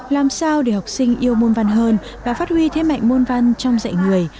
làm sao để học sinh yêu môn văn hơn và phát huy thế mạnh môn văn trong dạy người